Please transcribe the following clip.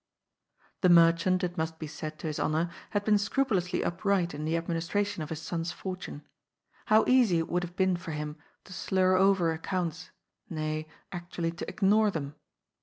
The merchant, it must be said to his honour, had been scrupulously upright in the administration of his son's fortune. How easy it would have been for him to slur over accounts, nay, actually to ignore them.